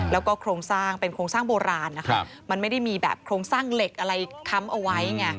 แล้วก็โครงสร้างเป็นโครงสร้างโบราณนะครับมันไม่ได้มีแบบโครงสร้างเหล็กอะไรค้ำเอาไว้ไง